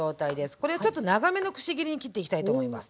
これをちょっと長めのくし切りに切っていきたいと思います。